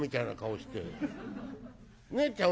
ねえちゃん